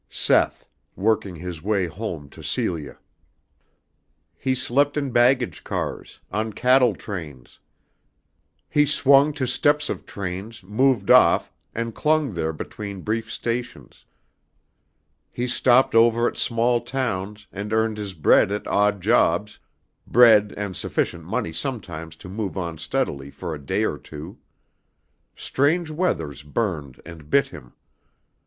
Seth, working his way home to Celia. He slept in baggage cars, on cattle trains. He swung to steps of trains moved off and clung there between brief stations. He stopped over at small towns and earned his bread at odd jobs, bread and sufficient money sometimes to move on steadily for a day or two. Strange weathers burned and bit him.